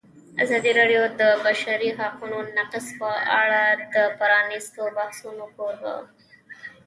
ازادي راډیو د د بشري حقونو نقض په اړه د پرانیستو بحثونو کوربه وه.